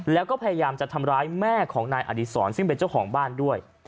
แล้วก็พยายามจะทำร้ายแม่ของนายอดีศรซึ่งเป็นเจ้าของบ้านด้วย